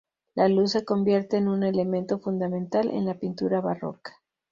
La luz se convierte en un elemento fundamental en la pintura barroca.